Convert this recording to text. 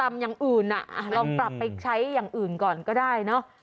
อย่างอื่นอ่ะลองปรับไปใช้อย่างอื่นก่อนก็ได้เนอะ